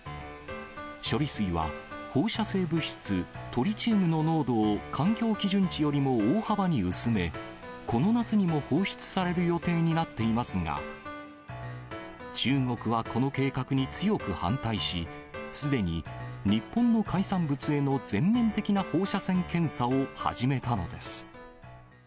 処理水は放射性物質、トリチウムの濃度を、環境基準値よりも大幅に薄め、この夏にも放出される予定になっていますが、中国はこの計画に強く反対し、すでに日本の海産物への全面的な放射線検査を始めたのです。